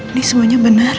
ini semuanya benar